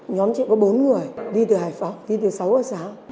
nhóm chị có bốn người đi từ hải phòng đi từ sáu ở sáu